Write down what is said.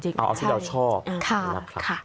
ที่เราชอบนะครับครับ